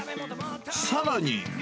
さらに。